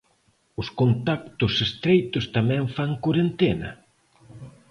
Os contactos estreitos tamén fan corentena?